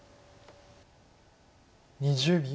２０秒。